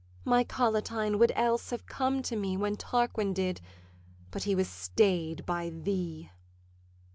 My Collatine would else have come to me When Tarquin did, but he was stay'd by thee.